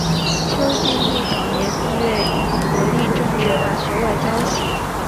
邱进益早年毕业于国立政治大学外交系。